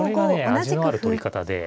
味のある取り方で。